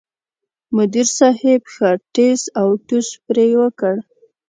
مدیر صاحب ښه ټس اوټوس پرې وکړ.